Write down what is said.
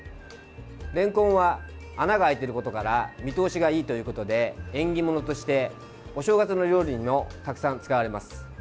れんこんは穴が開いていることから見通しがいいということで縁起物としてお正月の料理にもたくさん使われます。